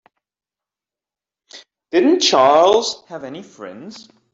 Didn't Charles have any friends?